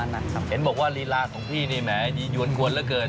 เห็นบอกว่ารีลาระของพี่เนี่ยแหมย้อนกวนเหลือเกิน